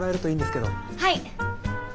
はい。